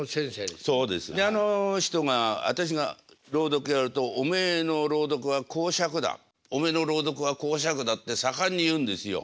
であの人が私が朗読やるとおめえの朗読は講釈だおめえの朗読は講釈だって盛んに言うんですよ。